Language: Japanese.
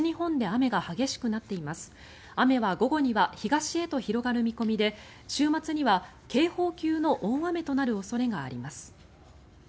雨は午後には東へと広がる見込みで週末には警報級の大雨となる恐れがあります。